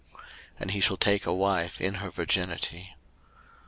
03:021:013 And he shall take a wife in her virginity.